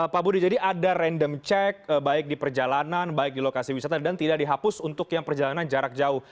pak budi jadi ada random check baik di perjalanan baik di lokasi wisata dan tidak dihapus untuk yang perjalanan jarak jauh